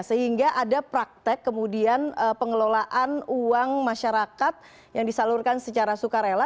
sehingga ada praktek kemudian pengelolaan uang masyarakat yang disalurkan secara sukarela